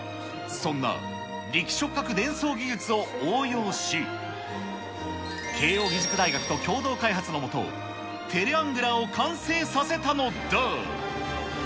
そんな力触覚伝送技術を応用し、慶應義塾大学と共同開発の下、テレアングラーを完成させたのだ。